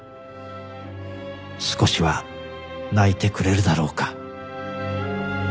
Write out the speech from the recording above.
少しは泣いてくれるだろうか。